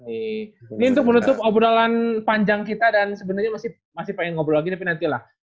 ini untuk menutup obrolan panjang kita dan sebenarnya masih pengen ngobrol lagi tapi nantilah